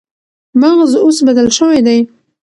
مغز اوس بدل شوی دی.